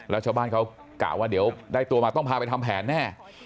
แล้วชาวบ้านเขากะว่าเดี๋ยวได้ตัวมาต้องพาไปทำแผนแน่